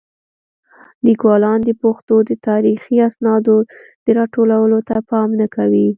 لیکوالان د پښتو د تاریخي اسنادو د راټولولو ته پام نه کوي.